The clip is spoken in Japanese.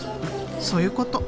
そういうこと。